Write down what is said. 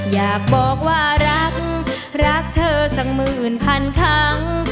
อยากบอกว่ารักรักเธอสักหมื่นพันครั้ง